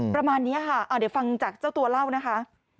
ประมาณนี้ค่ะเดี๋ยวฟังจากเจ้าตัวเล่านะคะ